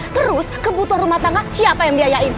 terus kebutuhan rumah tangga siapa yang biayain